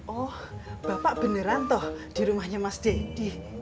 oh bapak beneran toh di rumahnya mas deddy